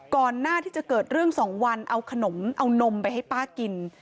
ก่อนหน้าที่จะเกิดเรื่อง๒วันเอาขนมเอานมไปให้ป้ากิน